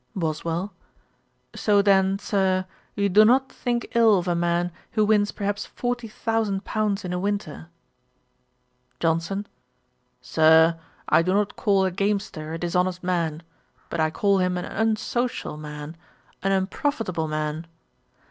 BOSWELL. 'So then, Sir, you do not think ill of a man who wins perhaps forty thousand pounds in a winter?' JOHNSON. 'Sir, I do not call a gamester a dishonest man; but I call him an unsocial man, an unprofitable man.